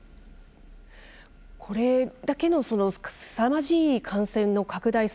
これだけのすさまじい感染の拡大